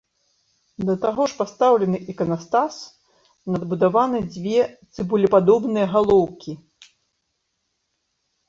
Да таго ж пастаўлены іканастас, надбудаваны дзве цыбулепадобныя галоўкі.